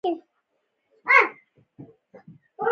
د ده پر ذهنیت زموږ کار کولو پایله ورکړه